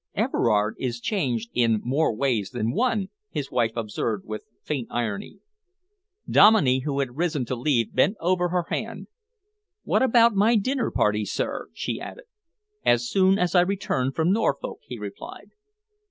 "Everard is changed in more ways than one," his wife observed, with faint irony. Dominey, who had risen to leave, bent over her hand. "What about my dinner party, sir?" she added. "As soon as I return from Norfolk," he replied.